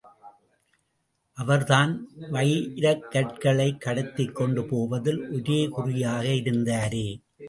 அவர்தான், வைரக்கற்களை கடத்திக் கொண்டு போவதில் ஒரே குறியாக இருந்தாரே!